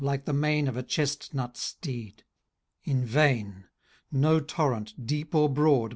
Like the main of a chestnut steed. In vain ! no torrent, deep or broad.